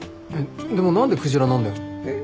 でも何で鯨なんだよ。えっ？